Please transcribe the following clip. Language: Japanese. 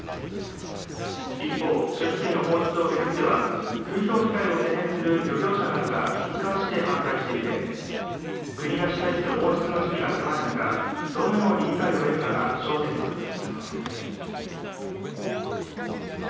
一方、処理水の放出を巡っては風評被害を懸念する漁業者などが一貫して反対していて国が示す放出の時期が迫る中どのように理解を得るかが焦点となっています。